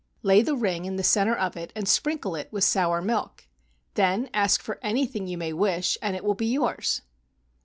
Lay the ring in the center of it and sprinkle it with sour milk. Then ask for anything you may wish, and it will be yours."